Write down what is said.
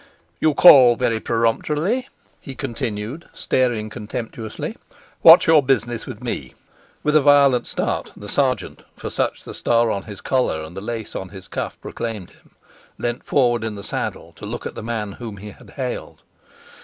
"You call very peremptorily," he continued, staring contemptuously. "What's your business with me?" With a violent start, the sergeant for such the star on his collar and the lace on his cuff proclaimed him leant forward in the saddle to look at the man whom he had hailed.